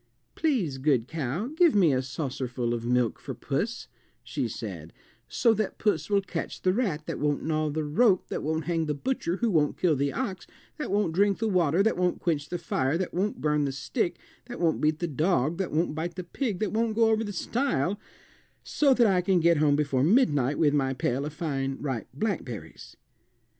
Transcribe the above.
"Please, good cow, give me a saucerful of milk for puss," she said, "so that puss will catch the rat that won't gnaw the rope that won't hang the butcher who won't kill the ox that won't drink the water that won't quench the fire that won't burn the stick that won't beat the dog that won't bite the pig that won't go over the stile so that I can get home before midnight with my pail of fine ripe blackberries."